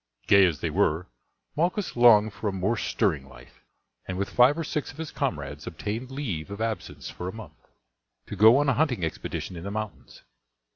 Gay as they were Malchus longed for a more stirring life, and with five or six of his comrades obtained leave of absence for a month, to go on a hunting expedition in the mountains.